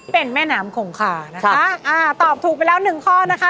เป็นแม่น้ำขงขานะคะตอบถูกไปแล้ว๑ข้อนะคะ